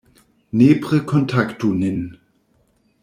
Nepre kontaktu nin!